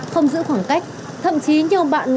không giữ khoảng cách thậm chí nhiều bạn